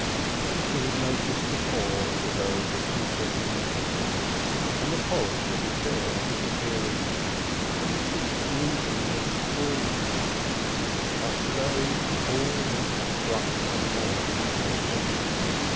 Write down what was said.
She had noticed before that the velvet was getting worn, and the polish of the chairs disappearing, and the seats losing their spring, but to day all this struck her more than formerly.